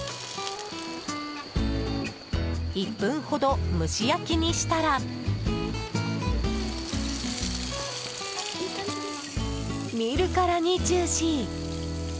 １分ほど蒸し焼きにしたら見るからにジューシー！